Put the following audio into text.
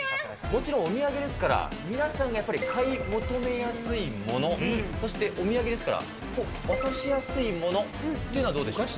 もちろん、お土産ですから、皆さんがやっぱり、買い求めやすいもの、そしてお土産ですから、渡しやすいものっていうのはどうでしょう。